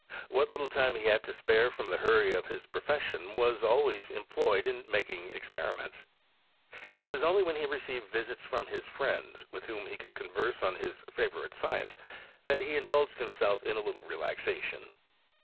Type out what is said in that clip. What little time he had to spare from the hurry of his profession was always employed in making experiments. It was only when he received visits from his friends, with whom he could converse on hia favourite science, that he indulged himself in a little relaxation.